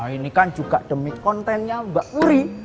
ini kan juga demi kontennya mbak uri